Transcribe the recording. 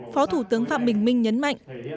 phó thủ tướng phạm bình minh nhấn mạnh